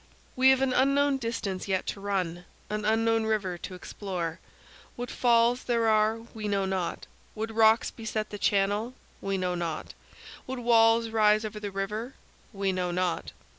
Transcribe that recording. We have an unknown distance yet to run, an unknown river to explore. What falls there are, we know not; what rocks beset the channel, we know not; what walls rise over the river, we know not.